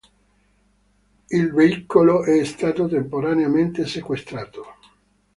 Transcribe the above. Il veicolo è stato temporaneamente sequestrato.